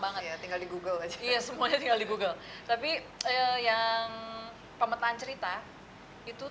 banget ya tinggal di google aja semuanya tinggal di google tapi yang pemetaan cerita itu